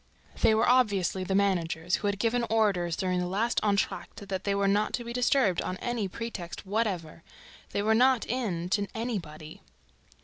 "They" were obviously the managers, who had given orders, during the last entr'acte, that they were not to be disturbed on any pretext whatever. They were not in to anybody.